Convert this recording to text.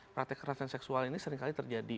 praktek kekerasan seksual ini seringkali terjadi